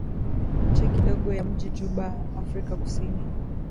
nje kidogo ya mji juba Afrika Kusini